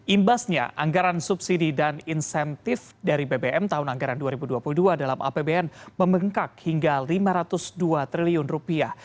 imbasnya anggaran subsidi dan insentif dari bbm tahun anggaran dua ribu dua puluh dua dalam apbn membengkak hingga lima ratus dua triliun rupiah